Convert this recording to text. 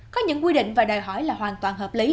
có những quy định và đòi hỏi là hoàn toàn hợp lý